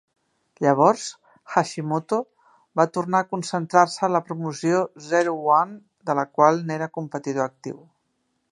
Llavors, Hashimoto va tornar a concentrar-se en la promoció Zero-One, de la qual n'era competidor actiu.